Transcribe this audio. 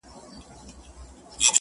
نن په ګودرونو کي د وینو رنګ کرلی دی!!